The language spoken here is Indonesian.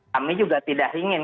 kami juga tidak ingin